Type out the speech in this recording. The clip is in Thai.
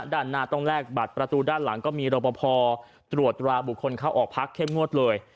ด้านหน้าต้องแลกบัตรประตูด้านหลังก็มีรบพอตรวจตราบุคคลเข้าออกพักเข้มงวดเลย